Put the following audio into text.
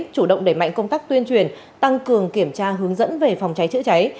chủ động đẩy mạnh công tác tuyên truyền tăng cường kiểm tra hướng dẫn về phòng cháy chữa cháy